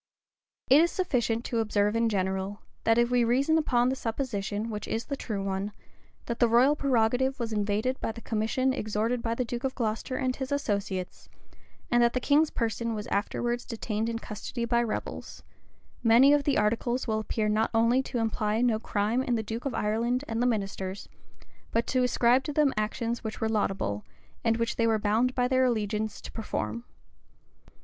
414 It is sufficient to observe in general, that if we reason upon the supposition, which is the true one, that the royal prerogative was invaded by the commission extorted by the duke of Glocester and his associates, and that the king's person was afterwards detained in custody by rebels, many of the articles will appear not only to imply no crime in the duke of Ireland and the ministers, but to ascribe to them actions which were laudable, and which they were bound by their allegiance to perform.